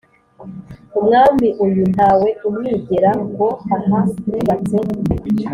umwami uyu ntawe umwigera ngo aha yubatse